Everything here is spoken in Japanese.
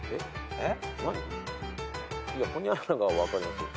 えっ？